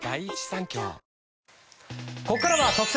ここからは特選！！